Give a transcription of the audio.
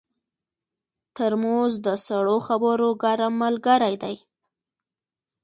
ترموز د سړو خبرو ګرم ملګری دی.